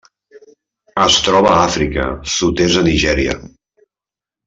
Es troba a Àfrica: sud-est de Nigèria.